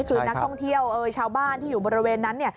คือนักท่องเที่ยวชาวบ้านที่อยู่บริเวณนั้น